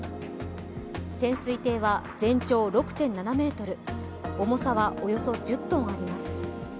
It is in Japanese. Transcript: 潜水艇は全長６．７ｍ、重さはおよそ１０ｔあります。